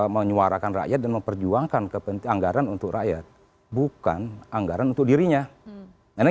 menyuarakan rakyat dan memperjuangkan anggaran untuk rakyat bukan anggaran untuk dirinya ini